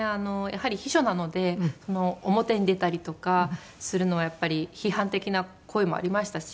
やはり秘書なので表に出たりとかするのはやっぱり批判的な声もありましたし